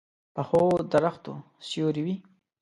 پخو درختو سیوری وي